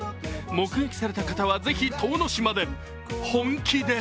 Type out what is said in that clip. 目撃された方は、ぜひ遠野市まで。